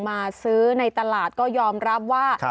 มาซื้อในตลาดก็ยอมรับว่า